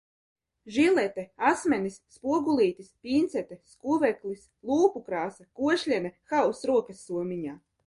Žilete, asmenis, spogulītis, pincete, skuveklis, lūpukrāsa, košļene - haoss rokassomiņā.